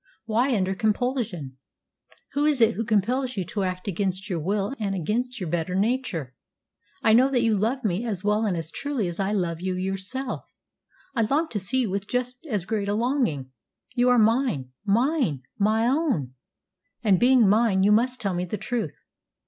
Why under compulsion? Who is it who compels you to act against your will and against your better nature? I know that you love me as well and as truly as I love you yourself. I long to see you with just as great a longing. You are mine mine, my own and being mine, you must tell me the truth.